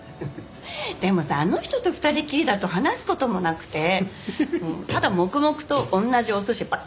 でもさあの人と２人っきりだと話す事もなくてただ黙々と同じお寿司ばっかり食べてたの。